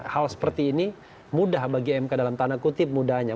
hal seperti ini mudah bagi mk dalam tanda kutip mudahnya